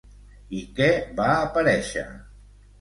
I què va aparèixer?